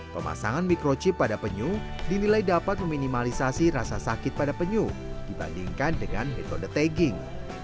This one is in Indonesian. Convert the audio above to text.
pemasangan mikrochip pada penyu dinilai dapat meminimalisasi rasa sakit pada penyu dibandingkan dengan metode tagging